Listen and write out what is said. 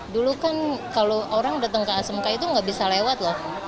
dulu kan kalau orang datang ke asmk itu nggak bisa lewat loh